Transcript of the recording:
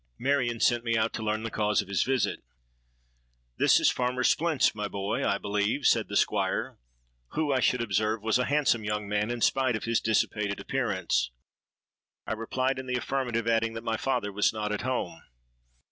Marion sent me out to learn the cause of his visit. 'This is Farmer Splint's, my boy, I believe?' said the Squire, who, I should observe, was a handsome young man in spite of his dissipated appearance. I replied in the affirmative, adding, that my father was not at home.